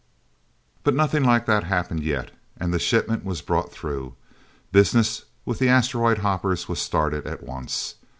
But nothing like that happened yet, and the shipment was brought through. Business with the asteroid hoppers was started at once.